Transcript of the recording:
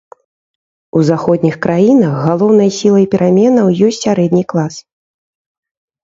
У заходніх краінах галоўнай сілай пераменаў ёсць сярэдні клас.